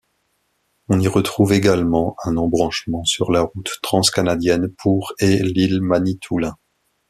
On y retrouve également un embranchement sur la route Transcanadienne pour et l'île Manitoulin.